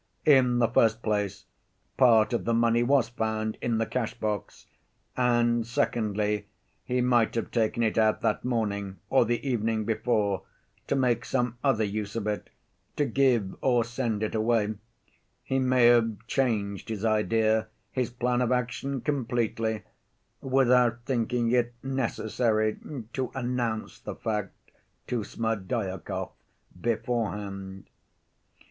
In the first place, part of the money was found in the cash‐box, and secondly, he might have taken it out that morning or the evening before to make some other use of it, to give or send it away; he may have changed his idea, his plan of action completely, without thinking it necessary to announce the fact to Smerdyakov beforehand.